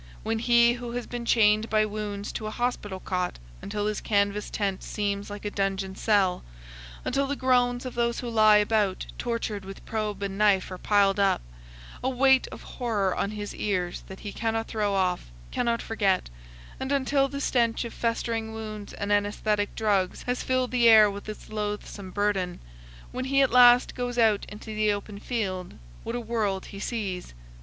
When he who has been chained by wounds to a hospital cot until his canvas tent seems like a dungeon cell, until the groans of those who lie about tortured with probe and knife are piled up, a weight of horror on his ears that he cannot throw off, cannot forget, and until the stench of festering wounds and anaesthetic drugs has filled the air with its loathsome burthen, when he at last goes out into the open field, what a world he sees!